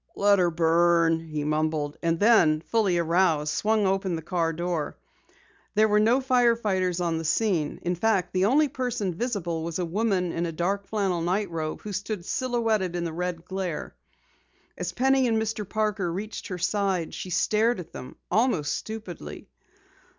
"Let 'er burn," he mumbled, and then fully aroused, swung open the car door. There were no fire fighters on the scene, in fact the only person visible was a woman in dark flannel night robe, who stood silhouetted in the red glare. As Penny and Mr. Parker reached her side, she stared at them almost stupidly.